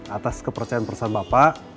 atas kepercayaan perusahaan bapak